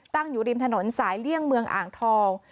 ตั้งอยู่ริมถนนสายเลี่ยงเมืองอ่างทอง